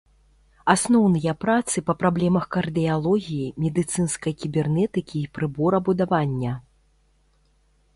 Асноўныя працы па праблемах кардыялогіі, медыцынскай кібернетыкі і прыборабудавання.